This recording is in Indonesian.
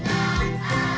terima kasih pak hendrik